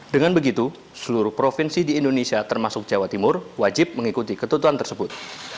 dengan begitu seluruh provinsi di indonesia termasuk jawa timur wajib mengikuti ketentuan tersebut